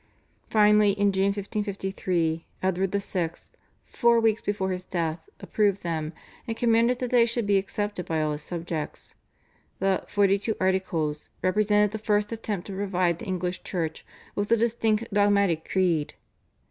Finally in June 1553 Edward VI., four weeks before his death, approved them, and commanded that they should be accepted by all his subjects. The /Forty two Articles/ represented the first attempt to provide the English Church with a distinct dogmatic creed.